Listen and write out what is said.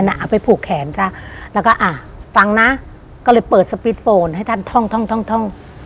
เอาไปผูกแขนซะแล้วก็อ่ะฟังนะก็เลยเปิดสปีดโฟนให้ท่านท่องท่องท่องท่อง